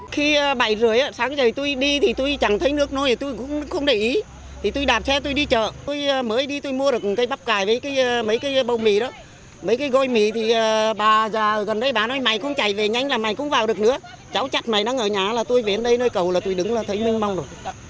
khi bảy giờ rưỡi sáng giờ tôi đi thì tôi chẳng thấy nước nữa thì tôi cũng không để ý thì tôi đạp xe tôi đi chợ tôi mới đi tôi mua được một cây bắp cải với mấy cây bầu mì đó mấy cây gôi mì thì bà già gần đây bà nói mày không chạy về nhanh là mày cũng vào được nữa cháu chắc mày đang ở nhà là tôi về đây nơi cầu là tôi đứng là thấy mênh mông rồi